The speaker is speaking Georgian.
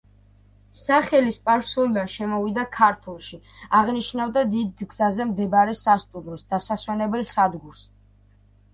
სახელი სპარსულიდან შემოვიდა ქართულში, აღნიშნავდა დიდ გზაზე მდებარე სასტუმროს, დასასვენებელ სადგურს.